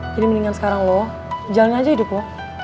jadi mendingan sekarang lu jalanin aja hidup lu